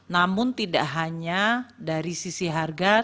namun tidak hanya dari sisi harga